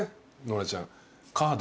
ノラちゃん。